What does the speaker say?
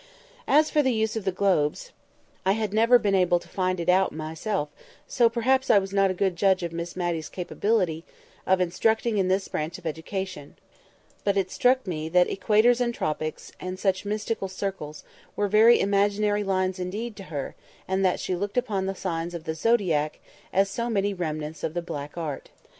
As for the use of the globes, I had never been able to find it out myself, so perhaps I was not a good judge of Miss Matty's capability of instructing in this branch of education; but it struck me that equators and tropics, and such mystical circles, were very imaginary lines indeed to her, and that she looked upon the signs of the Zodiac as so many remnants of the Black Art.